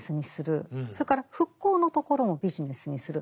それから復興のところもビジネスにする。